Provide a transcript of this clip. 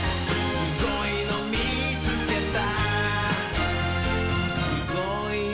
「すごいのみつけた」